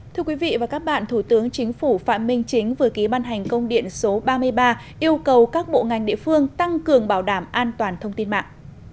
thưa quý vị và các bạn thủ tướng chính phủ phạm minh chính vừa ký ban hành công điện số ba mươi ba yêu cầu các bộ ngành địa phương tăng cường bảo đảm an toàn thông tin mạng